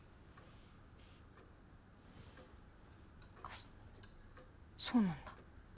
あっそうなんだ。